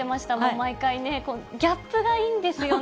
毎回ね、ギャップがいいんですよね。